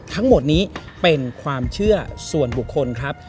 ทั้งหมดนี้เป็นความเชื่อส่วนบุคคลครับ